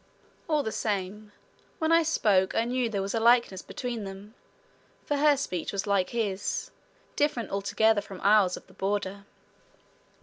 All the same, when she spoke I knew there was a likeness between them, for her speech was like his, different altogether from ours of the Border.